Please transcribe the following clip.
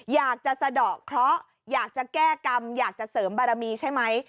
สะดอกเคราะห์อยากจะแก้กรรมอยากจะเสริมบารมีใช่ไหม